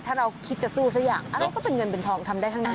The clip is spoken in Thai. ถ้าเราคิดจะสู้สักอย่างอะไรก็เป็นเงินเป็นทองทำได้ทั้งนั้น